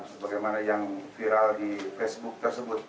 sebagai mana yang viral di facebook tersebut